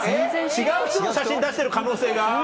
違う人の写真出してる可能性が？